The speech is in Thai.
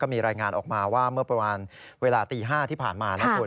มีรายงานออกมาว่าเมื่อประมาณเวลาตี๕ที่ผ่านมานะคุณ